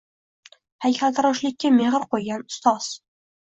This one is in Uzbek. Haykaltaroshlikka mehr qo‘ygan ustoz